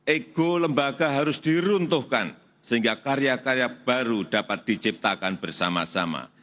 ego lembaga harus diruntuhkan sehingga karya karya baru dapat diciptakan bersama sama